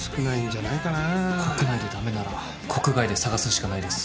国内で駄目なら国外で探すしかないです。